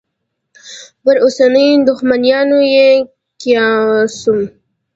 پر اوسنیو دوښمنیو یې قیاسوم.